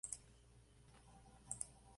Se alimenta de artrópodos y otros invertebrados.